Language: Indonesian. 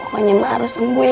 pokoknya ma harus sembuh ya ma